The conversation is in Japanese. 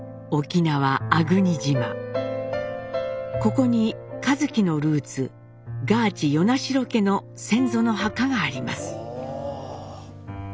ここに一輝のルーツガーチ与那城家の先祖の墓があります。